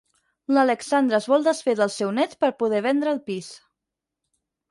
L'Alexandra es vol desfer del seu net per poder vendre el pis.